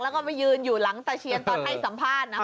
แล้วก็มายืนอยู่หลังตะเคียนตอนให้สัมภาษณ์นะคะ